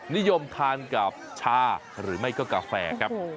นิยมทานกับชาหรือไม่ก็กาแฟครับ